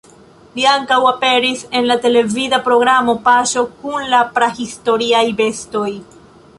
Li ankaŭ aperis en la televida programo "Paŝo kun la prahistoriaj bestoj".